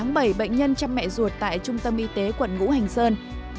ngày bảy bảy bệnh nhân chăm mẹ ruột tại trung tâm y tế quận ngũ hành sơn